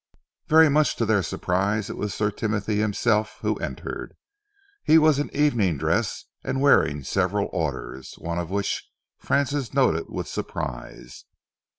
Very much to their surprise, it was Sir Timothy himself who entered. He was in evening dress and wearing several orders, one of which Francis noted with surprise.